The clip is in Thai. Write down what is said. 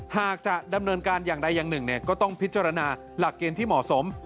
หากจะดำเนินการอย่างใดอย่างหนึ่งก็ต้องพิจารณาหลักเกณฑ์ที่เหมาะสม